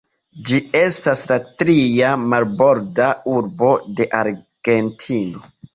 Ĝi estas la tria marborda urbo de Argentino.